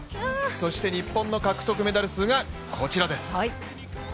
そして日本の獲得メダル数がこちらです。